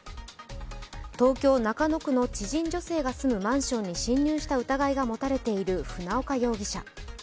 東京・中野区の知人女性が住むマンションに侵入した疑いが持たれている船岡容疑者。